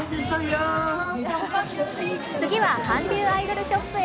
次は韓流アイドルショップへ。